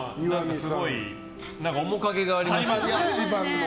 すごい、面影がありますよね。